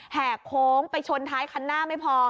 แห่โค้งไปชนท้ายคันหน้าไม่พอ